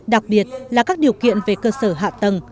đặc biệt là các điều kiện về cơ sở hạ tầng